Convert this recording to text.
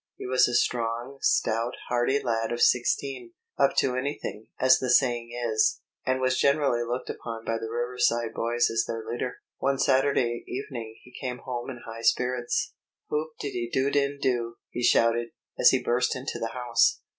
He was a strong, stout, hardy lad of sixteen, up to anything, as the saying is, and was generally looked upon by the Riverside boys as their leader. One Saturday evening he came home in high spirits. "Hoop de dooden do!" he shouted, as he burst into the house.